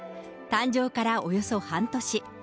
誕生からおよそ半年。